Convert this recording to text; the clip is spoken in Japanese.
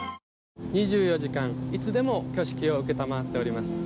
２４時間、いつでも挙式を承っています。